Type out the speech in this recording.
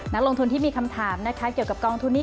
นักลงทุนที่มีคำถามนะคะเกี่ยวกับกองทุนนี้